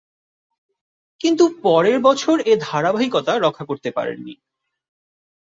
কিন্তু পরের বছর এ ধারাবাহিকতা রক্ষা করতে পারেননি।